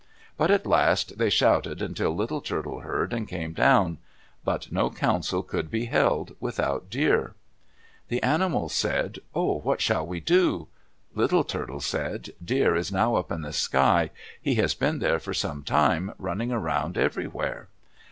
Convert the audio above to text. But at last they shouted until Little Turtle heard and came down. But no council could be held without Deer. The animals said, "Oh, what shall we do?" Little Turtle said, "Deer is now up in the sky. He has been there for some time, running around everywhere."